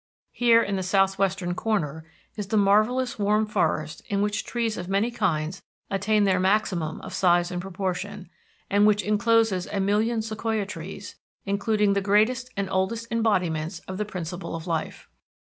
Here, in the southwestern corner, is the marvellous warm forest in which trees of many kinds attain their maximum of size and proportion, and which encloses a million sequoia trees, including the greatest and oldest embodiments of the principle of life.